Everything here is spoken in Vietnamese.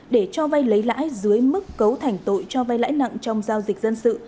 để cho vay lấy lãi dưới mức cấu thành tội cho vay lãi nặng trong giao dịch dân sự